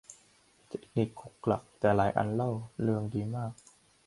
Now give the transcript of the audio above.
เทคนิคขลุกขลัก แต่หลายอันเล่าเรืองดีมาก